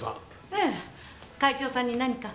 会長さんに何か？